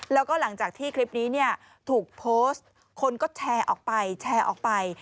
แล้วก็หลังจากที่คลิปนี้ถูกโพสต์คนก็แชร์ออกไปแชร์ออกไป